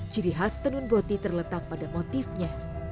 ciri khas tenun boti terletak pada motifnya